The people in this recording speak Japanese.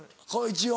一応？